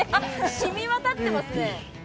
染みわたってますね。